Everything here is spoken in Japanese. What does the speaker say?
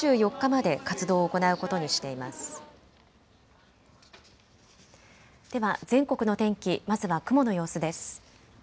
では全国の天気まずは雲の様子です。